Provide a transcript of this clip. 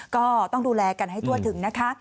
ก็ต้องดูแลกันให้ทั่วถึงนะคะ